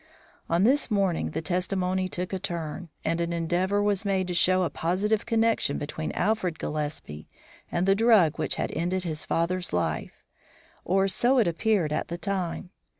On this morning the testimony took a turn, and an endeavour was made to show a positive connection between Alfred Gillespie and the drug which had ended his father's life, or so it appeared at the time.